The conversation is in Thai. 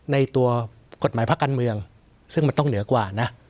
ในตัวกฎหมายภาคการเมืองซึ่งมันต้องเหนือกว่านะ